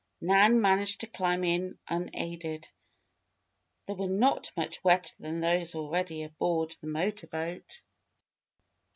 Nan managed to climb in unaided. They were not much wetter than those already aboard the motor boat.